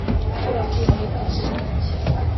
turahumeka, muri make.